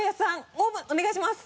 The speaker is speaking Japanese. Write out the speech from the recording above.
オープンお願いします。